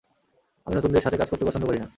আমি নতুনদের সাথে কাজ করতে পছন্দ করি না।